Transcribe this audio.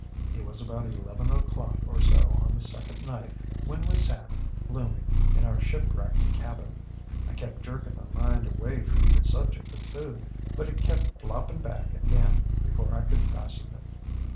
ŌĆ£It was about eleven oŌĆÖclock or so on the second night when we sat, gloomy, in our shipwrecked cabin. I kept jerking my mind away from the subject of food, but it kept flopping back again before I could fasten it.